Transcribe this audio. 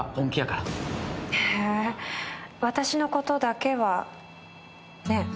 へぇ私のことだけはね。